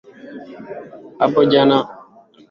hapo jana alitunukiwa tuzo la amani la nobel